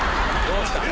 どうした？